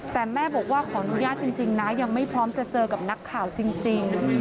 แต่แม่บอกว่าขออนุญาตจริงนะยังไม่พร้อมจะเจอกับนักข่าวจริง